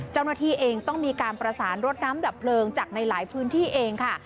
เจ้าหน้าที่เองต้องมีการประสานรถน้ำดับเพลิงจากในหลายพื้นที่เองค่ะ